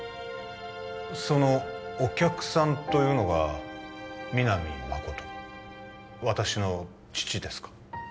そのお客さんというのが皆実誠私の父ですか？